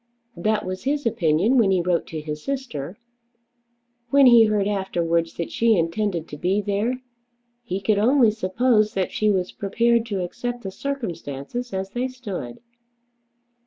That was his opinion when he wrote to his sister. When he heard afterwards that she intended to be there, he could only suppose that she was prepared to accept the circumstances as they stood.